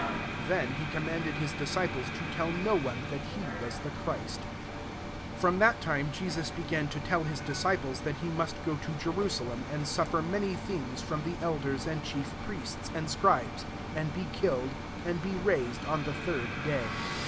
20 Then he commanded his disciples to tell no one that he was the Christ. 31 From'^hat time Jesus be gan to tell his disciples that he must go to Jerusalem, and suf fer many things from the elders and chief priests and scribes, and be killed, and be raised on the third day.